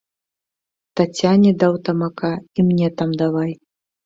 Таццяне даў тамака і мне там давай!